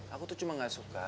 aku tuh cuma gak suka